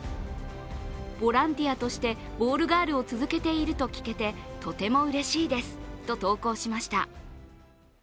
ボランティアとしてボールガールを続けていると聞けてとてもうれしいですと投稿しました。